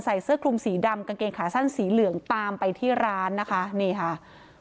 เสื้อคลุมสีดำกางเกงขาสั้นสีเหลืองตามไปที่ร้านนะคะนี่ค่ะ